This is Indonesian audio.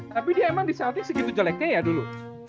tapi dia emang di celtic segitu jeleknya ya dulu